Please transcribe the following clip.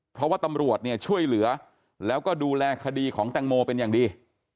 เพราะว่าตำรวจเนี่ยช่วยเหลือแล้วก็ดูแลคดีของแตงโมเป็นอย่างดี